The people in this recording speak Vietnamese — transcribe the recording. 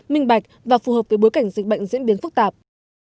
minh bạch và phù hợp với bối cảnh dịch bệnh diễn biến phức tạp